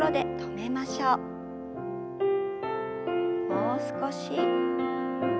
もう少し。